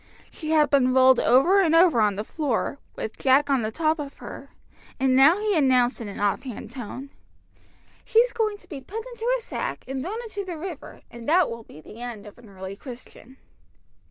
She had been rolled over and over on the floor, with Jack on the top of her, and now he announced in an offhand tone "She's going to be put into a sack and thrown into the river, and that will be the end of an early Christian."